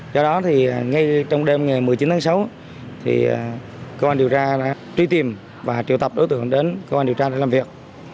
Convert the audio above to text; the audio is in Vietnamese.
do đó thì ngay trong đêm ngày một mươi chín tháng sáu thì công an điều tra đã truy tìm và triệu tập đối tượng đến công an điều tra để làm việc